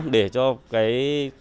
để cho cái